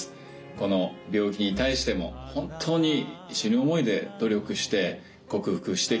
この病気に対しても本当に死ぬ思いで努力して克服してきたと思います。